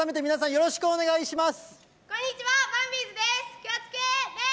よろしくお願いします。